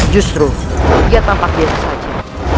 justru dia tampak biasa saja